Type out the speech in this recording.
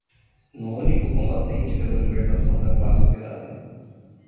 no único combatente pela libertação da classe operária